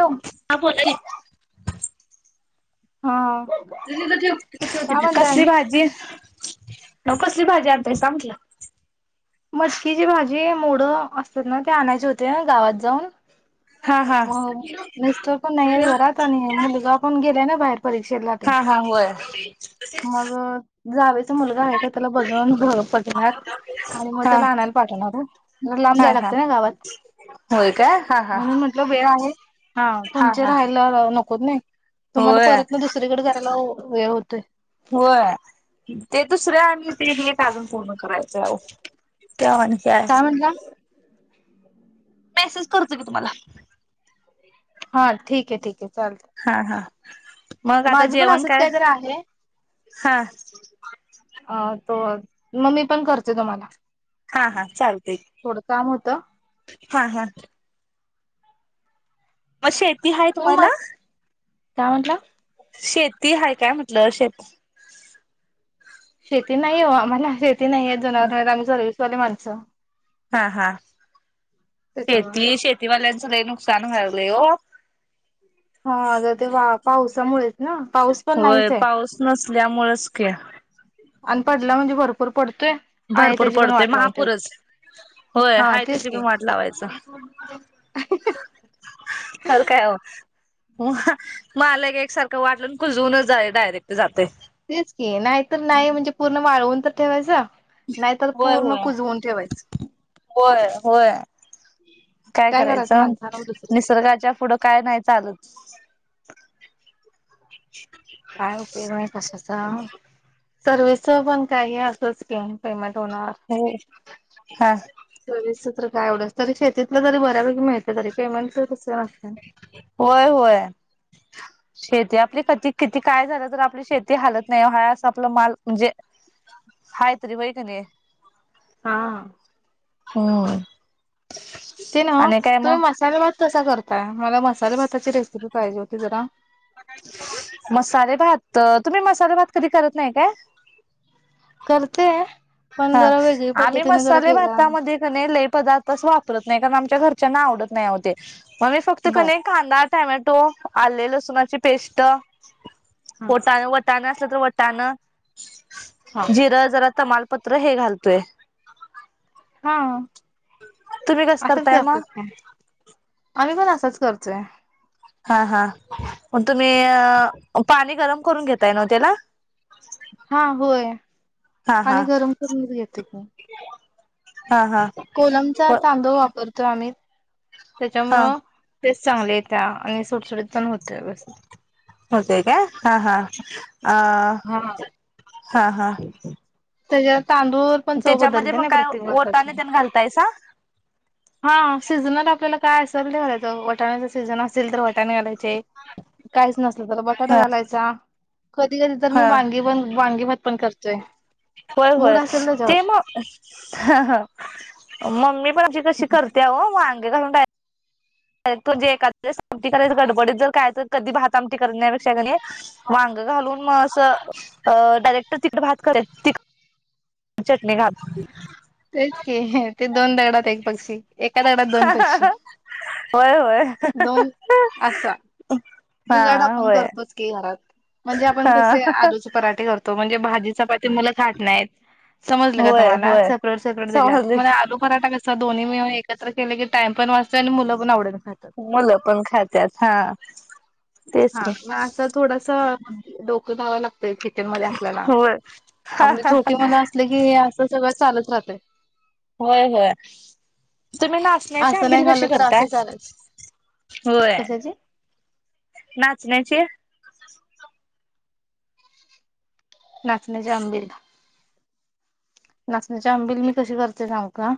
Hello हा बोला की हा काय म्हणताय कसली आणि भाजी कसली भाजी आणताय सा म्हंटल मटकी ची भाजी मोडं असतात ना ते आणायचे होते गावात जाऊन हा हा मग मिस्टर पण नाही आहेत घरात आणि मुलगा पण गेल्या ना बाहेर परीक्षेला ते हा हा होय मग जावेचा मुलगा आहे का त्याला बघवून घर बघणार आणि मग हा त्या लाहण्याला पाठवणार हो लांब हा जायला हा लागतं ना गावात होय का हा म्हणून म्हंटलं वेळ आहे हा तुमचे राहायला नकोत नाही तुम्हाला होय परत ना दुसरीकडे करायला हे होतं होय ते दुसरे आणि ते एक अजून पूर्ण करायचं आहेह क म्हण का ह मेसेज करतो की तुम्हाला हा ठीक आहे ठीक आहे चालत हा हा मग आता माझं पण जेवण असंच काय काहीतरी आहे हा अ तो मग ममी पण करते तुम्हाला हा हा चालते थोडं काम होतं हा हा मग शेती हाय तू तुम्हाला मस् काय म्हटलं शेती ह काय म्हटलं श शेती नाही हो आम्हाला शेती नाही आहे जनावर आम्ही सर्विसवाले माणसं हा हा त्याच्यामुळे शेती शेतीवाल्यांचं लय नुकसान व्हालंय हो हा तर ते वा पावसामुळेच ना पाऊस पण होय नाहीच आहे पाऊस नसल्यामुळेच खेळ आणि पडला म्हणजे भरपूर पडतोय आहे भरपूर त्याची पण पडतोय वाट लावून महापूरच ठेवते होय, हा तेच त्याची की मी वाट लावायचं. हल काय हो मलक एकसारखं वाटलं कुजूनच जा आहे डायरेक्ट जाते तेच की नाहीतर नाही म्हणजे पूर्ण वाळवून तर ठेवायचं नाहीतर होय पूर्ण होय कुजवून ठेवायचं होय होय काय करायचं, माणसाला मग दुसरं निसर्गाच्या पुढं काय नाही. चालू काय उपयोग नाही कशाचा.. ! सर्विसच पण काही असंच, केम पेमेंट होणार. हो हा सर्विसच तर काय एव्हडं, तरी शेतीतलं तरी बऱ्यापैकी मीळते, तरी पेमेंट तस नते होय होय शेती आपली क किती, काय झालं तर आपली शेती ते हालत नाही हा अस आपलं माल म्हणजे, हाय तरी व्हय का नाही. हा हो. ते ना तुम्ही मसाले भात कसा करताय, मला मसाले भाताची रेसिपी पाहिजे होती जरा मसाले भात तुम्ही मसाले भात, कधी करत नाही का? करते. पण हा जरा वेगळी आम्ही पद्धतीने जरा मसाले केला भातामध्ये ल पदार्थ वापरत नाही कारण, आमच्या घरच्या आवडत नाहीते मगी फक्त बर. कांदा- टॅमॅटो आले लसुणाची पेस्ट हा होता वटानअसल तर वटाना. हा. जिरं जरा तमालपत्र हे घालतोय. हा तुम्ही कसं असंच करताय मग करतात का. आम्ही पण असाच करतोय हा हा मग तुम्ही 'पाणी गरम, करून, घेताय ना त्याला [inaudible] हा होय हा हा पाणी गरम करून घेतेत नी हा हा कोलमचा व तांदू वापरतो, आम्ही हा त्याच्यामुळं तेच चांगलेत त्या आणि सुटसुडीत पण होतोय बस होते का हा हा हा अ हा हा त्याच्या तांदूळ पण चव बदलते ना प्रत्येक भाताची घालतायस हा सीझनल आपल्याला काय असेल ते घालायचं, वटाणाच सीझन असेल तर वटाणे घालायचे काहीच नसल तरला बटाटा ह घालायचा कधी कधी तर मी ह वांगी पण वांगी भत पण करतोय. होय होय मूड असेल ते त्याच्यावर. मग मम्मी माझी कशी करते. त्या ओ वांग घासून डायरेक्ट म्हणजे एखदम कराय गडबडीत जर काय तर कधी, भहात आमट करण्यापेक्षा नाही. वांग घालून म अस डायरेक्ट, तिकड भात करे त चटणी घाल. तेच की ते दोन दगडात, एक पक्षी एका दगडात दोन पक्षी होय होय. दोन असा जुगाड हा आपण, होय करतोच की घरात म्हणजे आपण कसे हा आलुचे पराठे करतो म्हणजे भाजी चपाती मुलं खात नाहीत समजलं का होय तुम्हाला होय सेपरेट सपरेट दिल्याला समजले मग आलू पराठा कस दोन्ही मिळुन एकत्र केले की टाइम पण वाचतय आणि मुलं पण आवडीन खात्यात मुलं पण खात्यात हा तेच हा कि मग असं थोडस डोकं धावाय लागतय किचन मध्ये आपल्याला होय आपली छोटी मल आस आसल की हे असं सगळं चालच राहतय होय होय तुम्ही नाचण्याची असं नाही आंबिल खाल्लं कशी तर करताय असं चालच. होय कशाची नाचण्याची नाचण्याची आंबील नाचण्याच्या आंबील मी कसे करते सांगू का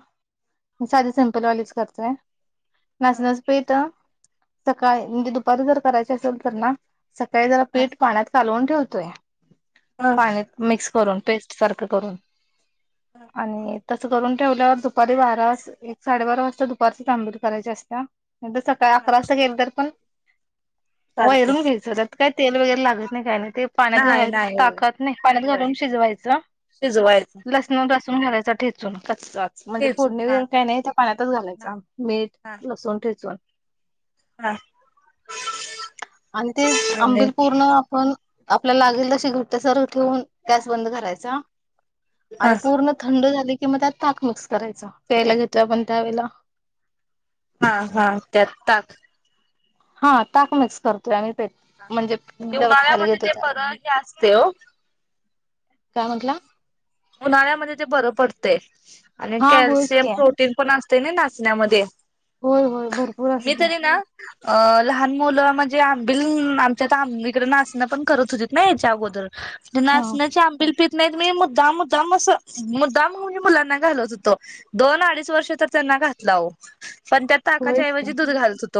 साधी सिंपल वालीच करतोय नाचण्याच पेठ सकाळी म्हणजे दुपारी जर करायची असेल तर ना सकाळी जरा पीठ पाण्यात कालवून ठेवतोय हा पाण्यात मिक्स करून पेस्ट सारखं करून, आणि तसं करून ठेवल्यावर दुपारी बारा एक साडेबारा वाजता दुपारची तांबूरी करायची असत्या काय अकरा वाजता केलं तर पण चालतंय वैरून घ्यायचं त्यात काय तेल वगैरे लागत नाही काही नाही ते- पाण्यात नाही घाल नाही होय टाकतं नाही पाण्यात होय घालून शिजवायचं. शिजवायचं लसूण लसूण घालायचां ठेचून कच्चा म्हणजे तेच फोडणी हा वगैरे काही कच्च नाही त्या पाण्यातच घालायचं नाही मीठ हा लसूण ठेचून हा आणि ते आणि आंबिल पूर्ण पण आपल्याला लागेल अशी घट सर ठेवून गॅस बंद करायचा हा आणि पूर्ण थंड झाली की मग त्यात ताक मिक्स करायचं प्यायला घेतलं आपण त्यावेेळेला हा हा त्यात ताक हा ताक मिक्स करतोय आम्ही ते ह हा ते उन्हाळ्यामध्ये ते बर हे असतय ओ काय म्हटला उन्हाळ्यामध्ये ते बरं पडतेय आणि हा होयच कॅल्शियम की तेल पण अस्तेने नाचण्यामध्ये, होय होय भरपूर मी असते तरी ना अ लहान मुलं म्हणजे आंबिल आमच्यात आंबकडे नाचणं पण करत होतीत ने हेच्या अगोदर हा नाचण्याची आंबिल पित नाहीत मी मुद्दाम मु मुद्दाम असं मुद्दाम म्हणजे मुलांना घालत होतो दोन अडीच वर्ष तर त्यांना घातल आहो पण त्यात होयच ताकाच्याऐवजी की दूध घालत होते.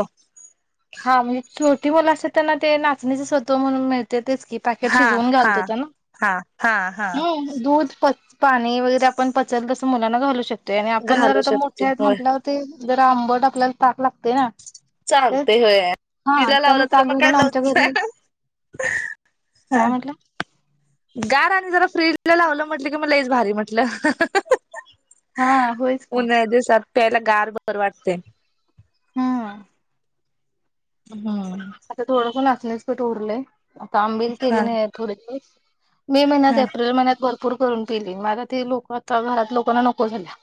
हा म्हणजे छोटी मुलं असतात त्यांना ते नाचणीच स्वत्व म्हणून मिळते तेच की पॅकेट हा शिजवून हा घालत होत्या ना हा हा हा म दूध प पाणी वगैरे आपण पचल तसं मुलांना घालू शकतोय आणि आपण जर घालू आता शकते मोठे आहेत होय म्हटल्यावर ते जरा आंबट आपल्याला ताक लागतयं ना ते चालतयं होय. हा तिला लावला त्यामुळे तर ताक मग काय घालून आमच्या रोजचा घरी लावत हा काय म्हटलं गार आणि जरा फ्रीजला लावलं म्हटलं की मग लईच भारी म्हटलं हा होयच की उन्हाळ्या दिवसात प्याला गार बर वाटतेय हम्म हम् आता थोडंसं पण नाचण्याच पीठ उरलंय आता आंबिल हा केली नाही थोडे मे महिन्यात हा एप्रिल महिन्यात भरपूर भरपूर करून पेली म आता ते लोकचा घरात लोकांना नको झाल्या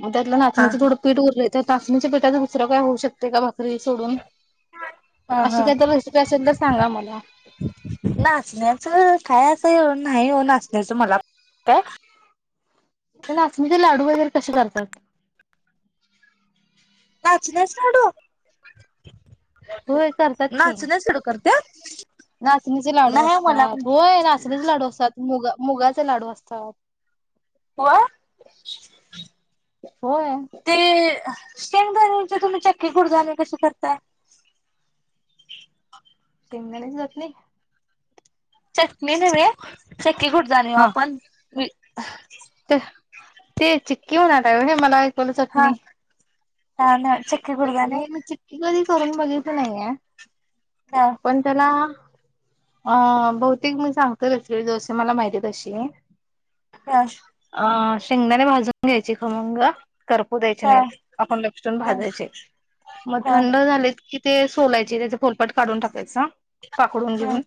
मग त्यातलं हा नाचणीचं थोडं पीठ उरलंय तर नाचणीच्या पीठांच दुसरं काय होऊ शकते का, भाकरी सोडून. अशी हा काही तर रेसिपी असेल तर सांगा मला? नाचण्याचं काय असं ये नाही नाचण्याचं मला- काय ते नाचणीचे लाडू वगैरे कसे करतात? नाचण्याच लाडू? होय करतात की. नाचण्या लाडू करत्यात नाचणीचे लाडू नाही मला असतात, पण होय नाचणीचे लाडू असतात. मुग मुगाचे लाडू असतात. व्हय, होय ते... - सेम [unintelligible] करणीची तुम्ही चिक्की गुडदान कस करताय? शेंगदाण्याची चटणी- चटणीच नाही चिक्की गुड- हा, ते चिक्की म्हणालाय होय, मला- ऐकवलं हा, चटणी. काय नाही चिक्- चटणी मी चिक्की कधी करून बघितली नाहीये, हा पण त्याला- अ.. बहुतेक मी सांगतो रसीपी जशी मला माहिती तशी. कॅश- अ.. शेंगदाणे भाजून घ्यायची खमंग करपू द्यायचे हा हा नाहीत, आपण लक्ष ठेवून भाजायचे- मग हा थंड झालेत की, ते सोलायचे त्याचे फोलपाट काढून टाकायचा- पाकडून हा घेऊन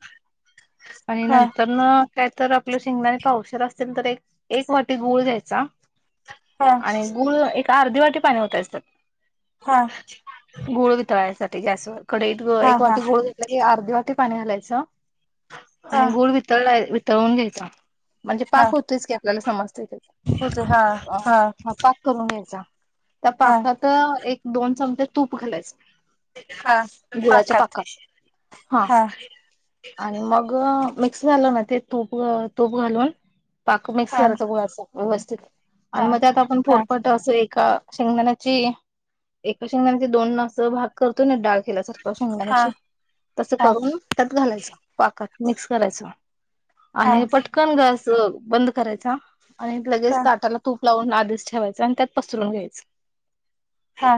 आणि हा नंतर- रन काय तर आपल्या शेंगदाणे पावशर असतील तर एक एक वाटी गुळ घ्यायचा- हा हा आणि गुळ एक अर्धी वाटी पाणी वतायच त्यात- हा. गुळ वितळायसाठी गॅसवर, कढईत हा हा हा एक वाटी गुळ घे- लघे अर्धी वाटी पाणी घालायचं आणि गुळ वितळलाय वितळून घ्यायच- म्हणजे पाक होतोयच की, आपल्याला समजत ते- अ हा पाक करून घ्यायचा त्या हा पाकात- तर एक दोन चमचे तूप घालायचं- गुळाच्या पाकात हा आणि मग- मिक्स झालं ना ते तूप, तूप घालून पाक मिक्स हा करायचं गुळाच व्यवस्थित- आणि हा हा मग आता आपण हा फोलपाट असे एका शेंगदाणाची- एका शेंगदाण्याचे दोन ना असं भाग करतोय ना, डाळखल्यासारखं हा शेंगाण्याची तसं हा करून- त्यात घालायचं, पाकात मिक्स करायच आणि पटक- कन गॅस बंद करायचा आणि लगेच हा ताटाला- तूप लावून आधीच ठेवायचं आणि त्यात पसरून घ्यायचं- हा.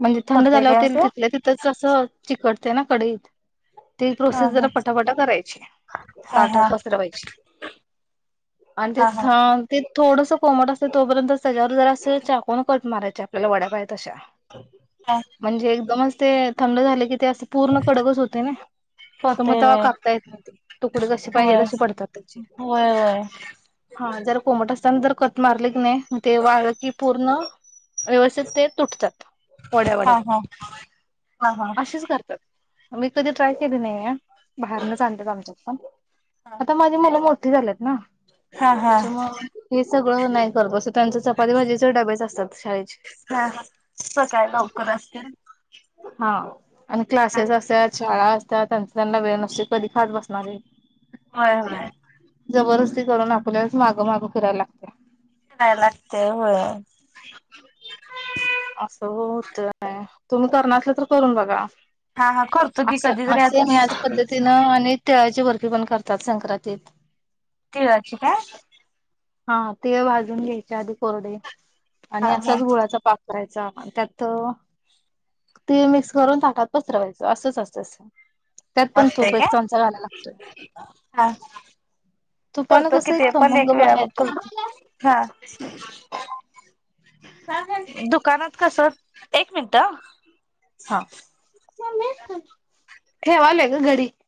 म्हणजे थंड होतय झाल्यावर काय तेल ते तिथल्या तिथंच असं, चिकटतें ना कडईत- ती हा प्रोसेस हा जरा पटापटा करायची, हा ताटात हा पसरवायची. आणि ते हा हा थांब- ते थोडसं कोमट असत तोपर्यंत तेच्यावर जरास चाकून कट मारायच आपल्याला वड्या पाहि- तशा, हा म्हणजे एकदमच ते थंड झाले की ते असे पूर्ण कडकच होते नाही. तर मग होतय तेवा कापता येत नाही ते, तुकडे कसे पाहिजे व्हय तसे पडतात त्यांचे. व्हय व्हय व्हय हा, जर कोमट असताना जर कट मारले की नाही ते वाळल की पूर्ण- व्यवस्थित ते तुटतात, वड्या हा वड्यात हा हा हा असेच करतात. मी कधी ट्राय केली नाहीये, बाहेरनच आणतात आमच्यात पण. हा आता माझी मुलं मोठी झाल्यात ना. हा हा हा त्याच्यामुळ हे सगळं नाही करत बसत त्यांचं चपाती भाजीचे डबेच असतात शाळेत. ह सकाळी लवकर असतील. हा. आणि क्लासेस असतात शाळा असतात त्यांचा त्यांना वेळ नसते कधी खात बसणार आहे. हो ह. जबरदस्ती करून आपल्यालाच मागं मागे फिरायला लागते. शिजायला लागते होय. असं होत आहे तुम्ही करणार असल तर करून बघा. हा हा करतो की असं कधीतरी असे आता आम्ही याच पद्धतीनं आणि तिळाची बर्फी पण करतात संक्रांतीत. तिळाची काय. हा तिळ भाजून घ्यायचे आधी कोरडे आणि हा हा असाच गुळाचा पाक. करायचा त्यात. ते मिक्स करून पाकात पसरवायचं असंच असतं सेम. त्यात पण असतय तुप एक काय चमचा घालायला लागतोय. हा तूपण करतो कि कसा एक ते पण खमंग वेळा पणा मग येतोय ना. करतो हा. का गं. दुकानात कस एक मिनिट. हा मम्मे सांग ठेवालोय गं घरी.